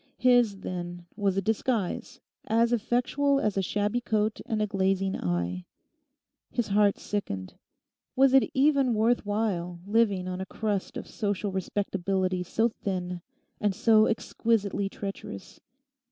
His, then, was a disguise as effectual as a shabby coat and a glazing eye. His heart sickened. Was it even worth while living on a crust of social respectability so thin and so exquisitely treacherous?